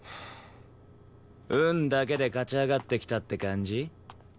運だけで勝ち上がってきたって感じ？